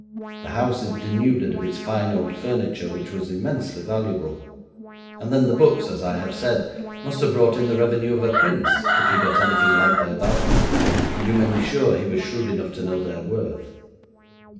The house is denuded of its fine old furniture, which was immensely valuable, and then the books, as I have said, must have brought in the revenue of a prince, if he got anything like their value, and you may be sure he was shrewd enough to know their worth.